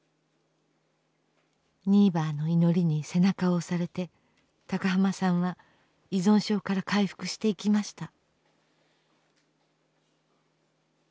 「ニーバーの祈り」に背中を押されて高浜さんは依存症から回復していきました。